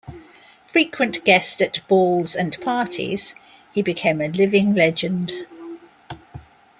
Frequent guest at balls and parties, he became a living legend.